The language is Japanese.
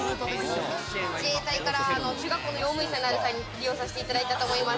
自衛隊から中学校の用務員さんになるタイミングで利用させていただいたと思います。